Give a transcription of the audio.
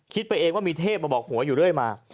ไปเองว่ามีเทพมาบอกหัวอยู่เรื่อยมา